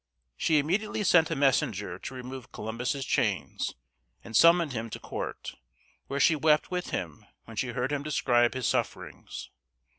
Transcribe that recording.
She immediately sent a messenger to remove Columbus's chains, and summoned him to court, where she wept with him when she heard him describe his sufferings.